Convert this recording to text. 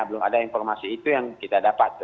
belum ada informasi itu yang kita dapat